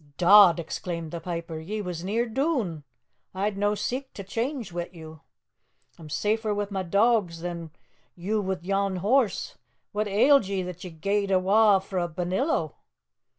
"Dod!" exclaimed the piper, "ye was near doon! A'd no seek to change wi' you. A'm safer wi' ma' doags than you wi' yon horse. What ailed ye that ye gae'd awa' frae Balnillo?"